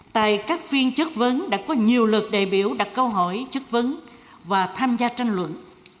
tại các phiên chất vấn đã có nhiều lượt đại biểu đặt câu hỏi chất vấn và tham gia tranh luận